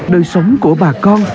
đời sống của bà con